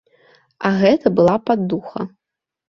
А гэта была б аддуха.